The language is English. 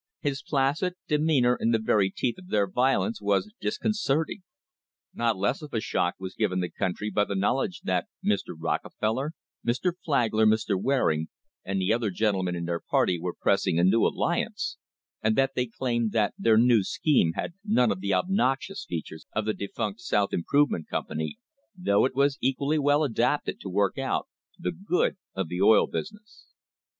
His placid de meanour in the very teeth of their violence was discon certing. Not less of a shock was given the country by the knowledge that Mr. Rockefeller, Mr. Flagler, Mr. Waring and the other gentlemen in their party were pressing a new alliance, and that they claimed that their new scheme had none of the obnoxious features of the defunct South Improvement Com pany, though it was equally well adapted to work out the "good of the oil business."